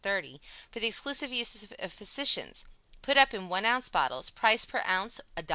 XXX for the exclusive use of physicians put up in one ounce bottles; price, per ounce, $1.50.